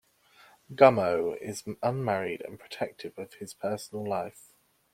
Gummow is unmarried and protective of his personal life.